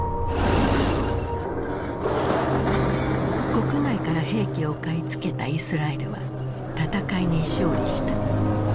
国外から兵器を買い付けたイスラエルは戦いに勝利した。